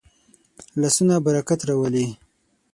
لاسونه برکت راولي